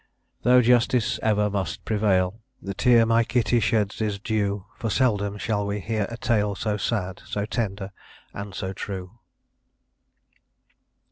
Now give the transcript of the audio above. Though justice ever must prevail, The tear my Kitty sheds is due; For seldom shall we hear a tale So sad, so tender, and so true.